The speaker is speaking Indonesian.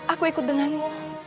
aku ikut denganmu